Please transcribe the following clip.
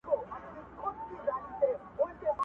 د جميل صبر او عادي صبر تر منځ فرقونه سته.